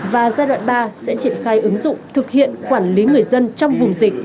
và giai đoạn ba sẽ triển khai ứng dụng thực hiện quản lý người dân trong vùng dịch